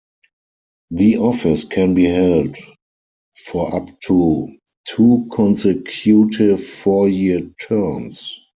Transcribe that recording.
The office can be held for up to two consecutive four-year terms.